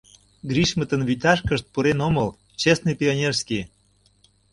Гришмытын вӱташкышт пурен омыл, честный пионерский!